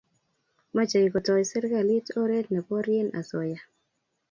mache kotoi serikalit oret ne porie asoya